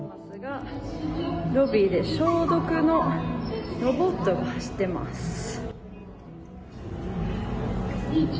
ロビーで消毒のロボットが走ってます。